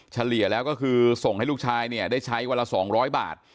เฉลี่ยแล้วก็คือส่งให้ลูกชายเนี่ยได้ใช้วันละ๒๐๐บาท